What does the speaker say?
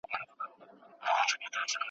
ستا غیبت مي تر هیڅ غوږه نه دی وړی `